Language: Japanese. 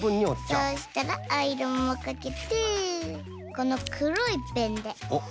そうしたらアイロンもかけてこのくろいペンでんっ！